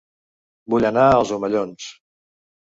Vull anar a Els Omellons